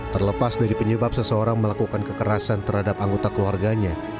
terlepas dari penyebab seseorang melakukan kekerasan terhadap anggota keluarganya